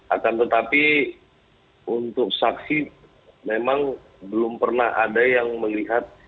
akan tetapi untuk saksi memang belum pernah ada yang melihat